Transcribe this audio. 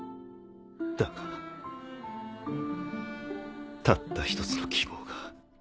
だがたった一つの希望が。